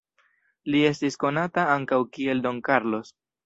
Li estis konata ankaŭ kiel Don Carlos.